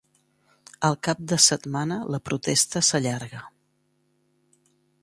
El cap de setmana la protesta s’allarga.